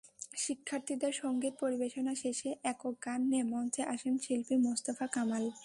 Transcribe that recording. শিক্ষার্থীদের সংগীত পরিবেশনা শেষে একক গান নিয়ে মঞ্চে আসেন শিল্পী মোস্তফা কামাল।